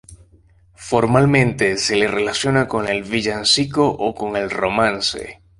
Formalmente se le relaciona con el villancico o con el romance.